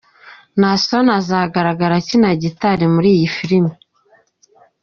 Naasson azagaragra akina gitari muri iyi filimi.